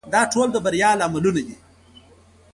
دا ټول د بریا لاملونه دي.